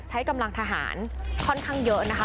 ใช้กำลังทหารค่อนข้างเยอะนะคะ